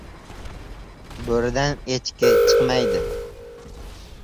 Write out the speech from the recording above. • Bo‘ridan echki chiqmaydi.